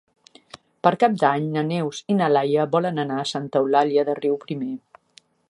Per Cap d'Any na Neus i na Laia volen anar a Santa Eulàlia de Riuprimer.